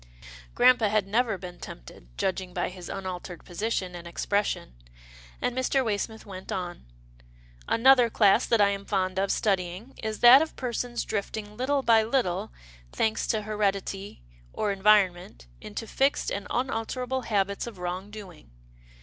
Grampa had never been tempted, judging by his unaltered position, and expression, and Mr. Way smith went on, " Another class that I am fond of studying is that of persons drifting little by little, thanks to heredity or environment, into fixed and unalterable habits of wrong doing.